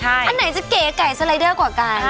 อันไหนจะเก๋ไก่สไลเดอร์กว่ากัน